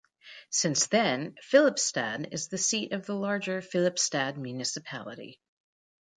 Since then Filipstad is the seat of the larger Filipstad Municipality.